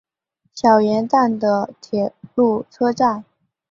小岩站的铁路车站。